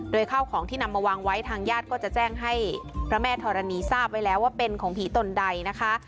โดยข้าวของที่นำมาวางไว้ทางญาติก็จะแจ้งให้พระแม่ธรณีทราบไว้แล้วว่าเป็นของผีตนใดนะคะ